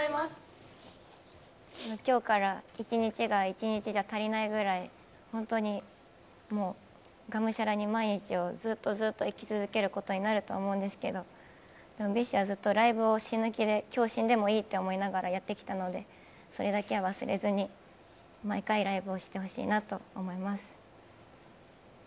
きょうから１日が１日じゃ足りないぐらい、本当にもう、がむしゃらに毎日をずっとずっと生き続けることになると思うんですけど、ＢｉＳＨはずっとライブを死ぬ気で、きょう死んでもいいって思いながらやってきたので、それだけは忘れずに、毎回、ライブをしてほしいなと思います。